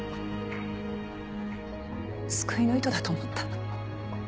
救いの糸だと思った。